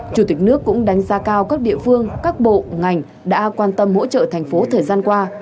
chủ tịch nước cũng đánh giá cao các địa phương các bộ ngành đã quan tâm hỗ trợ thành phố thời gian qua